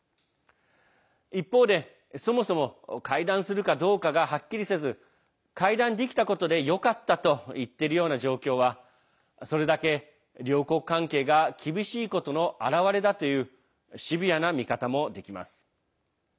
一方で、そもそも会談するかどうかがはっきりせず会談できたことでよかったと言っているような状況はそれだけ両国関係が厳しいことの表れだというシビアな見方もできます。